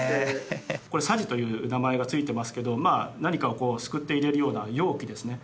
これ匙という名前が付いてますけどまあ何かをこうすくって入れるような容器ですね